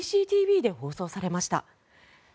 ＣＣＴＶで放送されました。